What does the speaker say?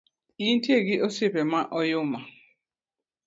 Intie gi osiepe ma oyuma